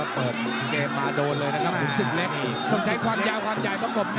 แล้วเปิดเกมมาโดนเลยนะครับ